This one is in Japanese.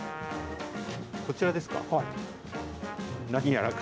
こちらですか？